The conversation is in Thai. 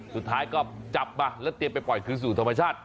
สุดท้ายก็จับมาแล้วเตรียมไปปล่อยคืนสู่ธรรมชาติ